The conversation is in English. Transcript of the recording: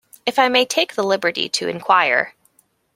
If I may take the liberty to inquire.